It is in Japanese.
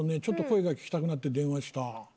声が聞きたくなって電話した。